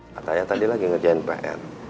katanya tadi lagi ngerjain pr